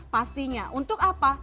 pastinya untuk apa